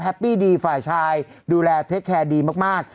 แฮปปี้ดีฝ่ายชายดูแลโทรธนาจ์ดีมาก